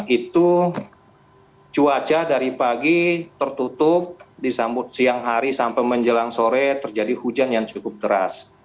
itu cuaca dari pagi tertutup disambut siang hari sampai menjelang sore terjadi hujan yang cukup deras